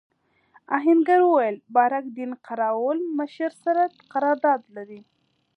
آهنګر وویل بارک دین قراوول مشر سره قرارداد لري.